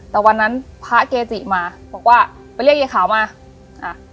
แต่วันนั้นพระเกจิมาบอกว่าไปเรียกยายขาวมาอ่า